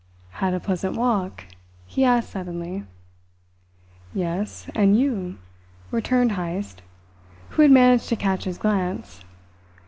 "Had a pleasant walk?" he asked suddenly. "Yes. And you?" returned Heyst, who had managed to catch his glance.